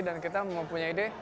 dan kita mempunyai ide